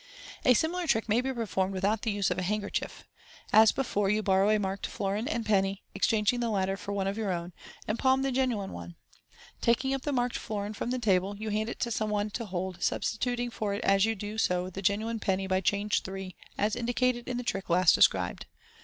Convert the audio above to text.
A similar trick may be performed without the use of the hand kerchief. As before, you borrow a marked florin and penny, ex changing the latter for one of your own, and palm the genuine one. Taking up the marked florin from the table, you hand it to some one to hold, substituting for it as you do so the genuine penny by Change 3, as indicated in the trick last described.